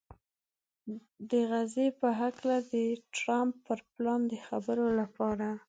د غزې په هکله د ټرمپ پر پلان د خبرو لپاره